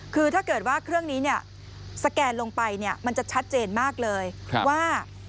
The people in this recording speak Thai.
คือถ้าเกิดว่าเครื่องนี้สแกนลงไปมันจะชัดเจนมากเลยว่า